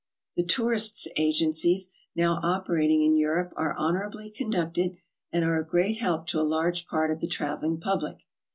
The tourists' agencies now operating in Europe are hon orably conducted, and are of great help to a large part of the traveling public.